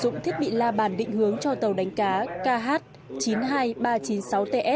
sử dụng thiết bị la bàn định hướng cho tàu đánh cá kh chín mươi hai nghìn ba trăm chín mươi sáu ts